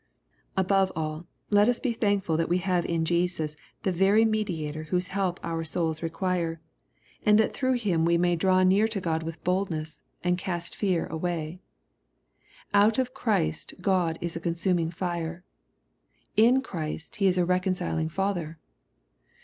Above all, let us be thank ful that we have in Jesus the very Mediator whose help our souls req[uire, and that through Him we may draw i84 BXPOSnOBT THOUGHTS. near to Gh)d with boldness^ and cast fear away. Out of Christ Q od is a consuming fire. In Christ He is a reconciled Father.